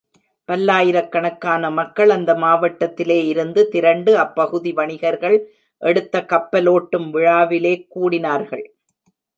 பல்லாயிரக்கணக்கான மக்கள் அந்த மாவட்டத்திலே இருந்து திரண்டு அப்பகுதி வணிகர்கள் எடுத்த கப்பலோட்டும் விழாவிலே கூடினார்கள்.